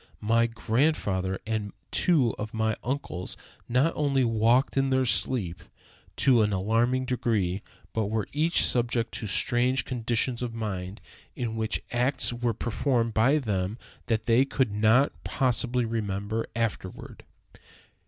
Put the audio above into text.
My grandfather and two of my uncles not only walked in their sleep to an alarming degree, but were each subject to strange conditions of mind, in which acts were performed by them that they could not possibly remember afterward."